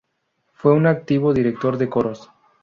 Fue un activo director de coros.